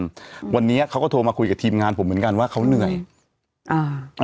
วันนี้เขาก็โทรมาคุยกับทีมงานผมเหมือนกันว่าเขาเหนื่อยอ่า